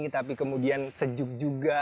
tapi kemudian sejuk juga